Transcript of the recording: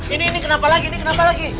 ini ini kenapa lagi ini kenapa lagi